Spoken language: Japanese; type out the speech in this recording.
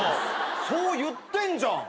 そう言ってんじゃん。